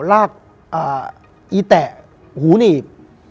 ลากอีแตะหูหนีบ